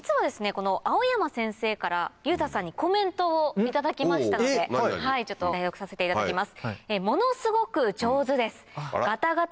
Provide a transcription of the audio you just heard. この蒼山先生から裕太さんにコメントを頂きましたので代読させていただきます。